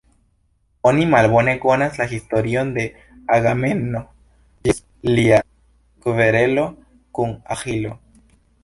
Oni malbone konas la historion de Agamemno ĝis lia kverelo kun Aĥilo.